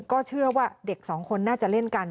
ก็เชื่อว่าเด็กสองคนน่าจะเล่นกัน